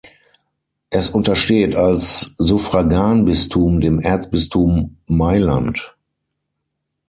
Es untersteht als Suffraganbistum dem Erzbistum Mailand.